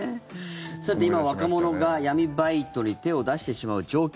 さて今、若者が闇バイトに手を出してしまう状況